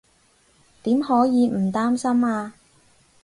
點可以唔擔心啊